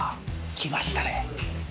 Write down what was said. きましたね。